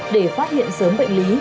để phát hiện sớm bệnh lý